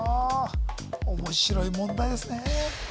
面白い問題ですね